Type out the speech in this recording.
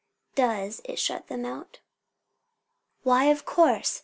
"Does it shut them out?" "Why, of course!